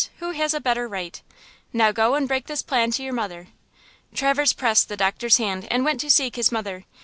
Who has a better right? Now go and break this plan to your mother." Traverse pressed the doctor's hand and went to seek his mother.